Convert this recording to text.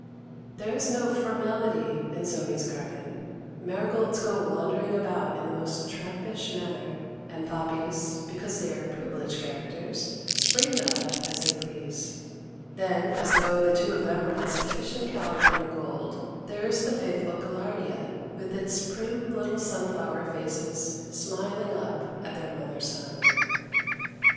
There is no formality in Zoe's garden. Marigolds go wandering about in the most trampish manner, and poppies, because they are privileged characters, spring up as they please. Then, as though the two of them were not sufficient California gold, there is the faithful gaillardia with its prim little sunflower faces smiling up at their Mother Sun.